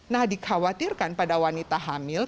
nah dikhawatirkan pada wanita hamil